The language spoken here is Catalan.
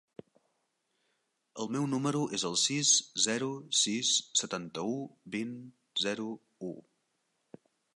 El meu número es el sis, zero, sis, setanta-u, vint, zero, u.